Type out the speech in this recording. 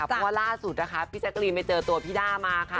เพราะว่าล่าสุดนะคะพี่แจ๊กรีนไปเจอตัวพี่ด้ามาค่ะ